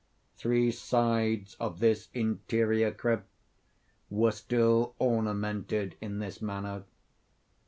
Three sides of this interior crypt were still ornamented in this manner.